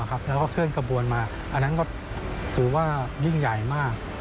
เคลื่อนกระบวนมาอันนั้นถือว่ายิ่งใหญ่มาก